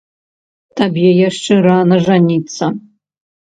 Табе яшчэ рана жаніцца.